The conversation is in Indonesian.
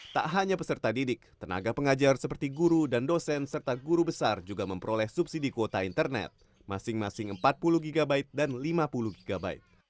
tak hanya peserta didik tenaga pengajar seperti guru dan dosen serta guru besar juga memperoleh subsidi kuota internet masing masing empat puluh gb dan lima puluh gb